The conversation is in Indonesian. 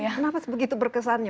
kenapa begitu berkesannya